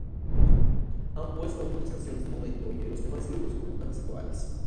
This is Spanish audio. Han puesto muchas canciones del momento y de los mejores grupos o cantantes actuales.